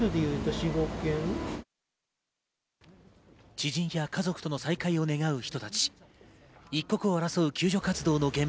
知人や家族との再会を願う人